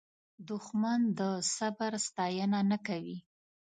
دښمن د صبر ستاینه نه کوي